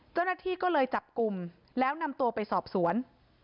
เจ้าหน้าที่ก็เลยจับกลุ่มแล้วนำตัวไปสอบสวน